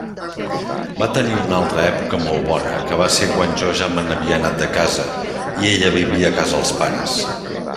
Va tenir una altra època molt bona, que va ser quan jo ja me n'havia anat de casa, i ella vivia a casa els pares.